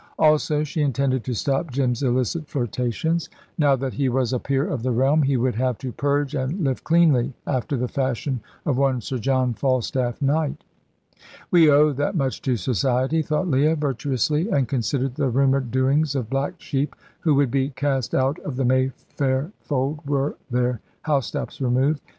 Also, she intended to stop Jim's illicit flirtations. Now that he was a peer of the realm he would have "to purge and live cleanly," after the fashion of one Sir John Falstaff, Knight. "We owe that much to society," thought Leah, virtuously, and considered the rumoured doings of black sheep who would be cast out of the Mayfair fold were their housetops removed.